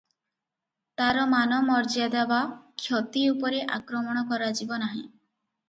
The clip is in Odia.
ତାର ମାନ ମର୍ଯ୍ୟାଦା ବା ଖ୍ୟାତି ଉପରେ ଆକ୍ରମଣ କରାଯିବ ନାହିଁ ।